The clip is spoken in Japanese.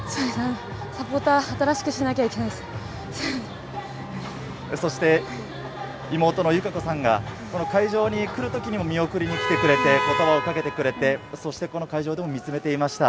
サポーター、新しくしなきゃそして妹の友香子さんが、この会場に来るときにも、見送りに来てくれて、ことばをかけてくれて、そして、この会場でも見つめていました。